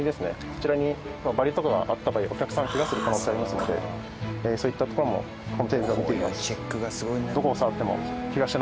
こちらにバリとかがあった場合お客さんがケガする可能性ありますのでそういったところもこのテーブルは見ています。